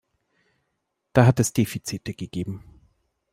Da hat es Defizite gegeben.